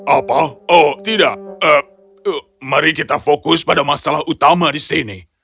apa oh tidak mari kita fokus pada masalah utama di sini